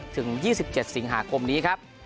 ถึง๒๗สิงหาคมนี้ครับ